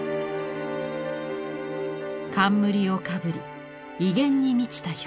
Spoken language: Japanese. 冠をかぶり威厳に満ちた表情。